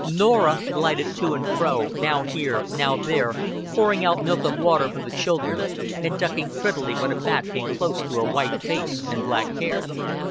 Norah glided to and fro, now here, now there, pouring out milk and water for the children, and ducking prettily when a bat came close to her white face and black hair.